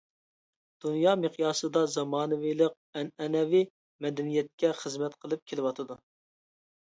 دۇنيا مىقياسىدا زامانىۋىلىق، ئەنئەنىۋى مەدەنىيەتكە خىزمەت قىلىپ كېلىۋاتىدۇ.